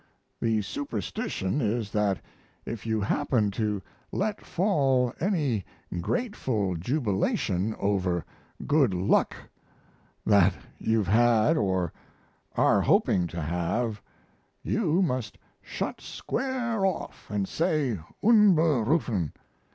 The superstition is that if you happen to let fall any grateful jubilation over good luck that you've had or are hoping to have you must shut square off and say "Unberufen!"